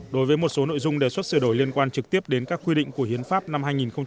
đối với một số nội dung đề xuất sửa đổi liên quan trực tiếp đến các quy định của hiến pháp năm hai nghìn một mươi ba